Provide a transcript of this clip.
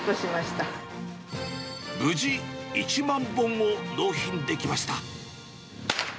無事、１万本を納品できました。